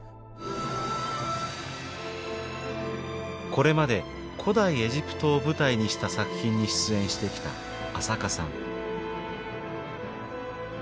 これまで古代エジプトを舞台にした作品に出演してきた朝夏さん。